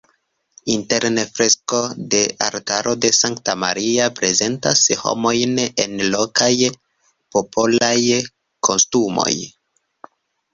Interne fresko de altaro de Sankta Maria prezentas homojn en lokaj popolaj kostumoj.